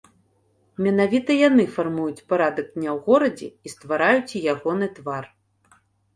Менавіта яны фармуюць парадак дня ў горадзе і ствараюць ягоны твар.